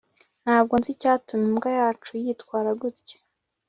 Ntabwo nzi icyatuma imbwa yacu yitwara gutya